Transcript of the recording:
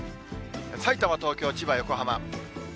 さいたま、東京、千葉、横浜。